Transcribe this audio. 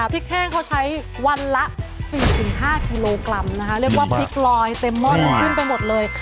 พริกแห้งเค้าใช้วันละ๔๕กิโลกรัมเรียกว่าพริกรอยเต็มหมดขึ้นไปหมดเลย